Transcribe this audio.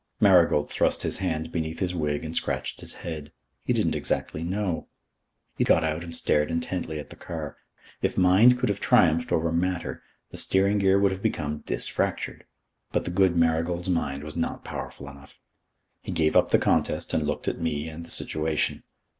Marigold thrust his hand beneath his wig and scratched his head. He didn't exactly know. He got out and stared intently at the car. If mind could have triumphed over matter, the steering gear would have become disfractured. But the good Marigold's mind was not powerful enough. He gave up the contest and looked at me and the situation.